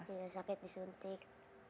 iya sakit disuntik